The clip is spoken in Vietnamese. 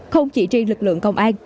không chỉ riêng lực lượng công an